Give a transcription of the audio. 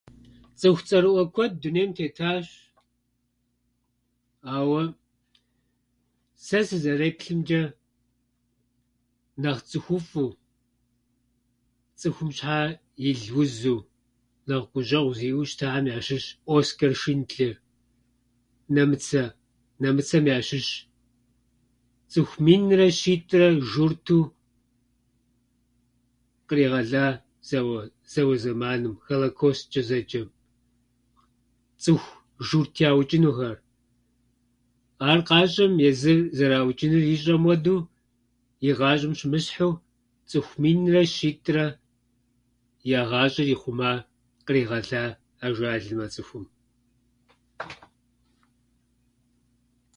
Цӏыху цӏэрыӏуэ куэд дунейм тетащ, ауэ сэ сызэреплъымчӏэ, нэхъ цӏыхуфӏу, цӏыхум щхьа ил узу, нэхъ гущӏэгъу зиӏэу щытахэм ящыщ Оскар Шиндлер, нэмыцэ- нэмыцэм ящыщ. Цӏыху минрэ щитӏрэ журту къригъэла зэуэ- зауэ зэманым Холокостчӏэ зэджэм, цӏыху журт яучӏынухэр. Ар къащӏэм езы зыраучӏыныр ищӏэм хуэду, и гъащӏэм щымысхьу, цӏыху минрэ щитӏрэ я гъащӏэр ихъума, къригъэла ажалым а цӏыхум.